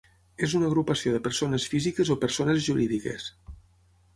És una agrupació de persones físiques o persones jurídiques.